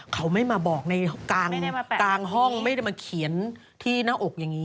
เขาไม่มาบอกในกลางห้องไม่ได้มาเขียนที่หน้าอกอย่างนี้